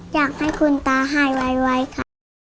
อยากให้คุณตาหายไวค่ะ